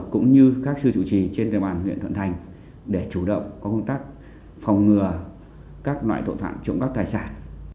cũng như các sư chủ trì trên địa bàn huyện thuận thành để chủ động có công tác phòng ngừa các loại tội phạm trộm cắp tài sản